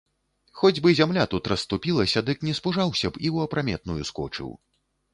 Хоць бы зямля тут расступілася, дык не спужаўся б і ў апраметную скочыў.